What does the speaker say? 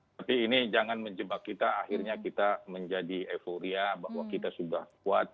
tapi ini jangan menjebak kita akhirnya kita menjadi euforia bahwa kita sudah kuat